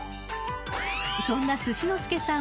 ［そんなすしノスケさん